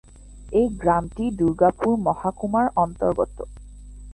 এই গ্রামটি দুর্গাপুর মহকুমার অন্তর্গত।